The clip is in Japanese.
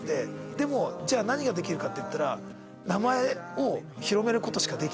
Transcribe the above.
でも何ができるかっていったら」。